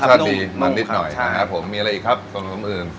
รสชาติดีมันนิดหน่อยใช่ครับครับผมมีอะไรอีกครับส่วนอุดมอื่น